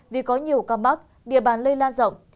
vì có nhiều ca mắc địa bàn lây lan rộng